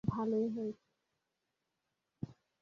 এ পর্যন্ত যা করেছ, খুব ভালই হয়েছে।